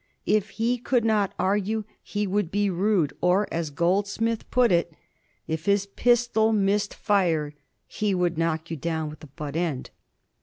If he could not argue he would be rude, or, as Goldsmith put it: "If his pistol missed fire, he would knock you down with the butt end."